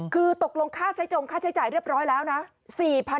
คือตกลงค่าใช้จงค่าใช้จ่ายเรียบร้อยแล้วนะ